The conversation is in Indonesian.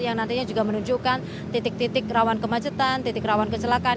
yang nantinya juga menunjukkan titik titik rawan kemacetan titik rawan kecelakaan